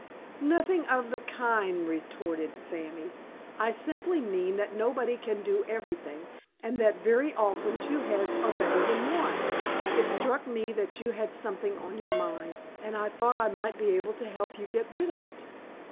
"Nothing of the kind," retorted Sammy. "I simply mean that nobody can do everything, and that very often two heads are better than one. It struck me that you had something on your mind, and I thought I might be able to help you get rid of it.